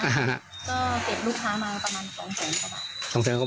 เก็บลูกค้ามายมาประมาณ๒๒๐๐บาท